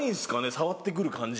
触って来る感じ。